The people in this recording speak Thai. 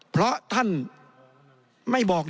เพราะท่านไม่บอก